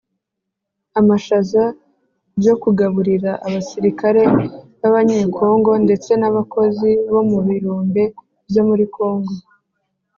amashaza byo kugaburira abasirikare b’abanyekongo ndetse n’abakozi bo mu birombe byo muri Congo.